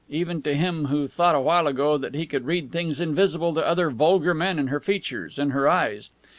Even to him who thought a while ago that he could read things invisible to other vulgar men in her features, in her eyes!